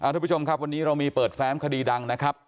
ทุกผู้ชมครับวันนี้เรามีเปิดแฟ้มคดีดังนะครับ